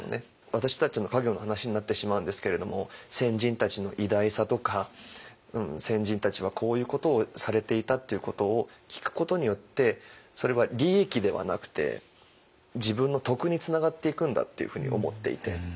私たちの家業の話になってしまうんですけれども先人たちの偉大さとか先人たちはこういうことをされていたっていうことを聴くことによってそれは利益ではなくて自分の徳につながっていくんだっていうふうに思っていて。